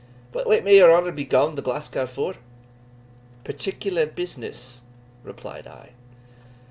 But what may your honour be gaun to Glasgow for?" "Particular business," replied I.